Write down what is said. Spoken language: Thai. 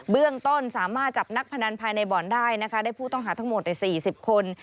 เรื่องต้นสามารถจับนักพนันภายในบ่อนได้นะคะได้ผู้ต้องหาทั้งหมดใน๔๐คน